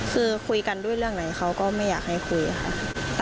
คือคุยกันด้วยเรื่องไหนเขาก็ไม่อยากให้คุยค่ะ